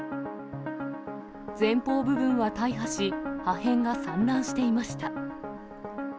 前方部分は大破し、破片が散乱していました。